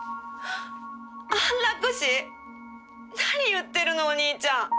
安楽死？何言ってるのお兄ちゃん！